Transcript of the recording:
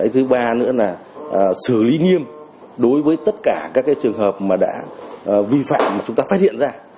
thứ ba nữa là xử lý nghiêm đối với tất cả các trường hợp mà đã vi phạm mà chúng ta phát hiện ra